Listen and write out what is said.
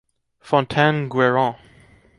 Fontaine-Guerin.